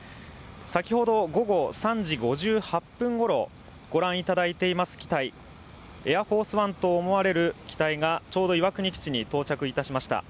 先ほど午後３時５８分ごろ、ご覧いただいています機体、エアフォースワンと思われる機体が、岩国基地に到着しました。